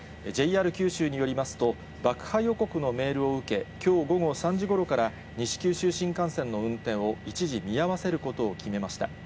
ＪＲ九州によりますと、爆破予告のメールを受け、きょう午後３時ごろから、西九州新幹線の運転を一時見合わせることを決めました。